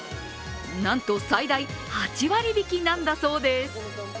なんと、最大８割引なんだそうです。